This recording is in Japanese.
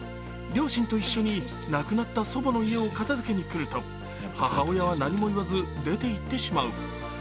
両親と一緒に亡くなった祖母の家を片付けに来ると母親は何も言わず出ていってしまう。